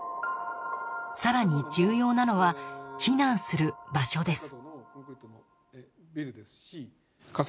更に重要なのは避難する場所です。